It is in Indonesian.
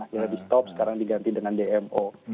akhirnya di stop sekarang diganti dengan dmo